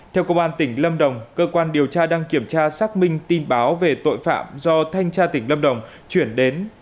theo công an tỉnh lâm đồng cơ quan điều tra đang kiểm tra xác minh tin báo về tội phạm do thanh tra tỉnh lâm đồng chuyển đến